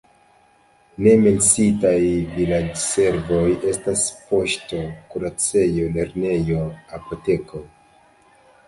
Ne menciitaj vilaĝservoj estas poŝto, kuracejo, lernejo, apoteko.